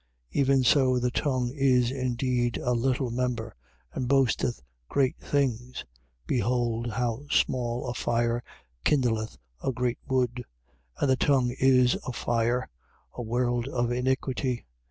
3:5. Even so the tongue is indeed a little member and boasteth great things. Behold how small a fire kindleth a great wood. 3:6. And the tongue is a fire, a world of iniquity.